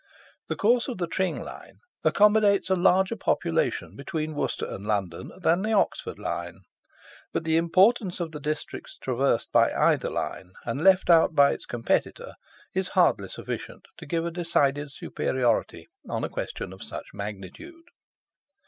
The course of the Tring line accommodates a larger population between Worcester and London than the Oxford line; but the importance of the districts traversed by either line, and left out by its competitor, is hardly sufficient to give a decided superiority on a question of such magnitude.